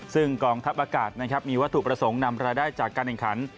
ซึ่งกองทัพอากาศนะครับมีวัตถุประสงค์นำรายได้จากการแข่งขัน